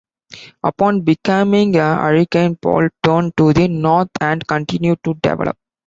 Upon becoming a hurricane, Paul turned to the north and continued to develop.